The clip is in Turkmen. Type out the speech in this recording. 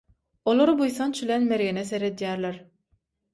Olar buýsanç bilen mergene seredýäler.